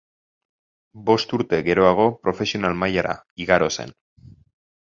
Bost urte geroago profesional mailara igaro zen.